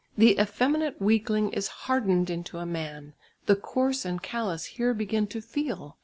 The effeminate weakling is hardened into a man, the coarse and callous here begin to feel.